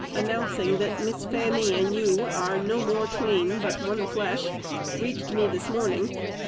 announcing that Miss Fanny and you are "no more twain, but one flesh," reached me this morning.